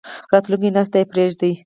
راتلونکی نسل ته یې پریږدئ